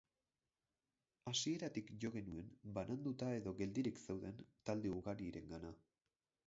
Hasieratik jo genuen bananduta edo geldirik zeuden talde ugarirengana.